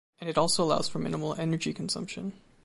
And it also allows for minimal energy consumption.